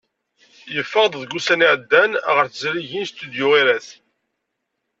Yeffeɣ-d deg ussan iɛeddan ɣer tezrigin Studyu Irath.